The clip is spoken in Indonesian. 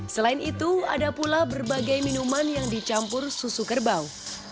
selain itu ada pula berbagai minuman yang dicampur susu kerbau